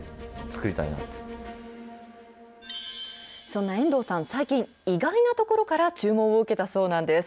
そんな遠藤さん、最近、意外なところから注文を受けたそうなんです。